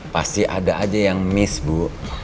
pasti ada aja yang miss bu